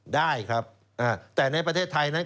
ได้ครับแต่ในประเทศไทยนั้น